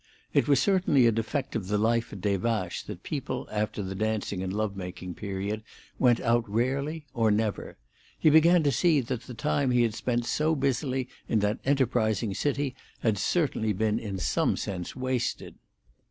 It was certainly a defect of the life at Des Vaches that people, after the dancing and love making period, went out rarely or never. He began to see that the time he had spent so busily in that enterprising city had certainly been in some sense wasted.